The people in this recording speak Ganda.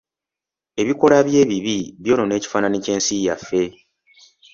Ebikolwa bye ebibi byonoona ekifaananyi ky'ensi yaffe.